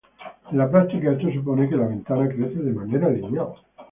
En la práctica, esto supone que la ventana crece de manera lineal.